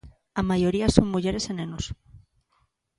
A maioría son mulleres e nenos.